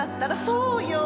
そうよ！